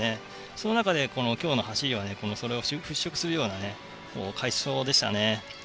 その中で今日の走りはそれを払拭するような快走でした。